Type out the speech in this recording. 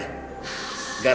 gara gara kemarin kecelakaan